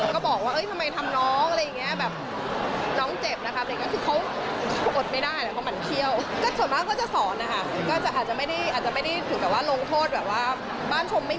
ก็ยินดีด้วยค่ะคุณย่าก็มีหลานเป็น๑๐คน